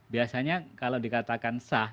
biasanya kalau dikatakan sah